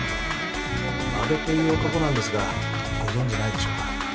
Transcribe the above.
阿部という男なんですがご存じないでしょうか？